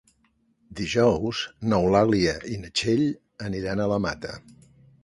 Dijous n'Eulàlia i na Txell aniran a la Mata.